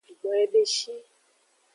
Gboyebeshi.